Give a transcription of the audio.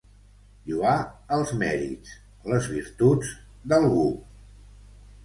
Lloar els mèrits, les virtuts, d'algú.